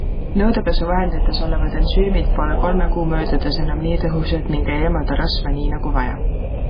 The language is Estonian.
Nõudepesuvahendites olevad ensüümid pole kolme kuu möödudes enam nii tõhusad ning ei eemalda rasva nii nagu vaja.